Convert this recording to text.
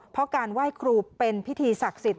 เพราะการไหว้ครูเป็นพิธีศักดิ์สิทธิ